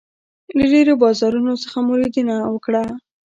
له ډېرو بازارونو څخه مو لیدنه وکړله.